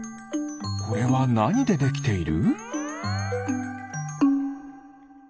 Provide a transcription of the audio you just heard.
これはなにでできている？